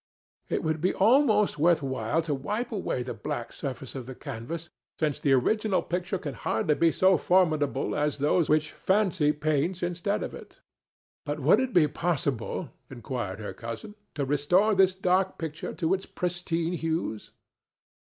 "It would be almost worth while to wipe away the black surface of the canvas, since the original picture can hardly be so formidable as those which fancy paints instead of it." "But would it be possible," inquired her cousin," to restore this dark picture to its pristine hues?"